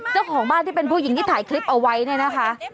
เจ้าของบ้านที่เป็นผู้หญิงที่ถ่ายคลิปเอาไว้เนี่ยนะคะ